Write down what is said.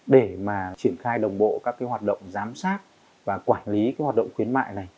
để mà triển khai đồng bộ các cái hoạt động giám sát và quản lý cái hoạt động khuyến mại này